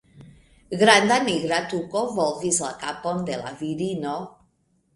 Granda nigra tuko volvis la kapon de la virino.